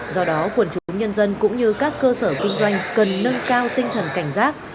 do đó quần chúng nhân dân cũng như các cơ sở kinh doanh cần nâng cao tinh thần cảnh giác